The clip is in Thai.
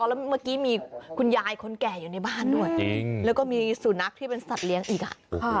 แล้วเมื่อกี้มีคุณยายคนแก่อยู่ในบ้านด้วยจริงแล้วก็มีสุนัขที่เป็นสัตว์เลี้ยงอีกอ่ะ